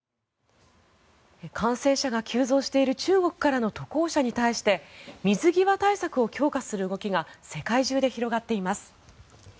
感染者が急増している中国からの渡航者に対して水際対策を強化する動きが世界中で広がっています。